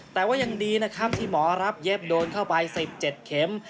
แต่ว่ายังดีนะครับที่หมอรับเย็บโดนเข้าไป๑๗เข็ม